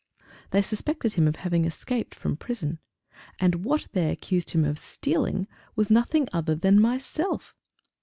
They suspected him of having escaped from prison and what they accused him of stealing was nothing other than myself!